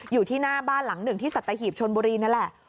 อยู่ที่หน้าบ้านหลังหนึ่งที่สัตหีบชนบุรีนั่นแหละ